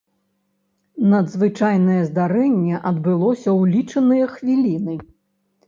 Надзвычайнае здарэнне адбылося ў лічаныя хвіліны.